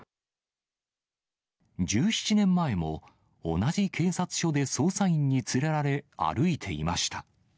１７年前も、同じ警察署で捜査員に連れられ歩いていました。